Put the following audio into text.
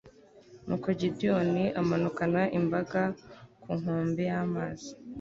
nuko gideyoni amanukana imbaga ku nkombe y'amazi